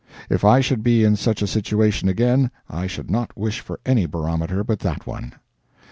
If I should be in such a situation again, I should not wish for any barometer but that one.